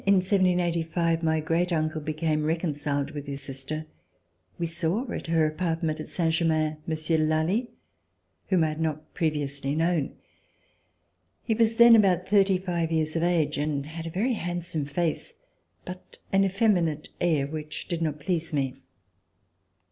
When, in 1785, my great uncle became reconciled with his sister, we saw at her appariement at Saint Germain, Monsieur de Lally whom 1 had not previ C71] RECOLLECTIONS OF THE REVOLUTION ously known. He was then about thirty five years of age and had a very handsome face but an effeminate air which did not please me.